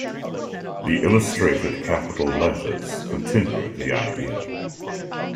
The illustrated capital letters continue the idea.